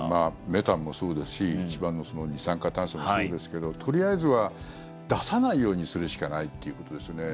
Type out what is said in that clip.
メタンもそうですし一番の二酸化炭素もそうですけどとりあえずは出さないようにするしかないっていうことですよね。